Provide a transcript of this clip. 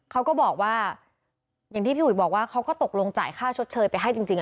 เขาก็บอกว่าอย่างที่พี่อุ๋ยบอกว่าเขาก็ตกลงจ่ายค่าชดเชยไปให้จริง